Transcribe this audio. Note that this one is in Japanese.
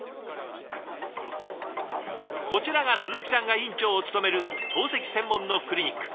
こちらが鈴木さんが院長を務める透析専門のクリニック。